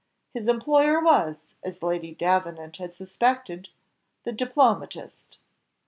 His employer was, as Lady Davenant had suspected the diplomatist!